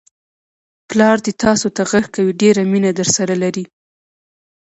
پلا دې تاسوته غږ کوي، ډېره مینه درسره لري!